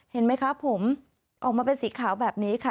เห็นไหมคะผมออกมาเป็นสีขาวแบบนี้ค่ะ